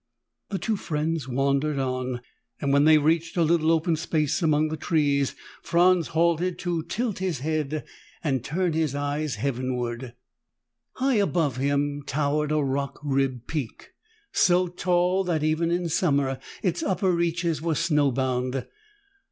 The two friends wandered on, and when they reached a little open space among the trees, Franz halted to tilt his head and turn his eyes heavenward. High above him towered a rock ribbed peak, so tall that even in summer its upper reaches were snowbound.